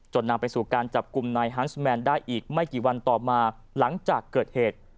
นำไปสู่การจับกลุ่มนายฮันส์แมนได้อีกไม่กี่วันต่อมาหลังจากเกิดเหตุ